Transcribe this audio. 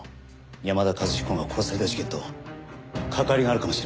山田和彦が殺された事件と関わりがあるかもしれません。